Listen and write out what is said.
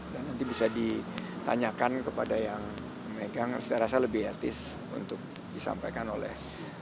dan nanti bisa ditanyakan kepada yang memegang saya rasa lebih etis untuk disampaikan oleh